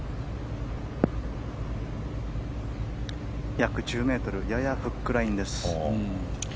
約１０ｍややフックラインです。